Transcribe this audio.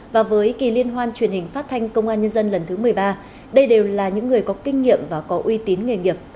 và với kỳ liên hoan truyền hình phát thanh công an nhân dân lần thứ một mươi ba đây đều là những người có kinh nghiệm và có uy tín nghề nghiệp